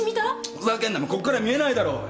ふざけんなこっから見えないだろ。